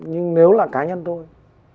nhưng nếu là cá nhân tôi